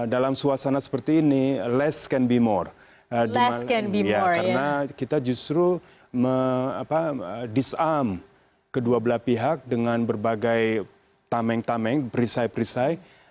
dalam rumah seperti ini lebih kurang juga dapat diupad karena kita justru menguatkan kedua belah pihak dengan berbagai perisai perisai